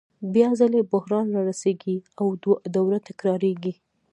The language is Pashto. بیا ځلي بحران رارسېږي او دوره تکرارېږي